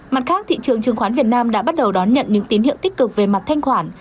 mặt khác thị trường chứng khoán việt nam đã bắt đầu đón nhận những tín hiệu tích cực về mặt thanh khoản